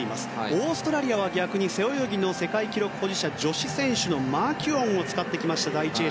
オーストラリアは逆に背泳ぎの世界記録保持者女子選手のマキュオンを第１泳者に使ってきました。